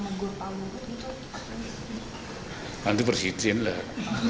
nanti bersihin lah